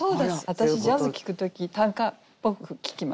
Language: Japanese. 私ジャズ聴く時短歌っぽく聴きますね。